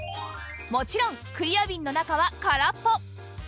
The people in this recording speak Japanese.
もちろんクリアビンの中は空っぽ